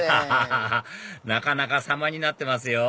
ハハハなかなか様になってますよ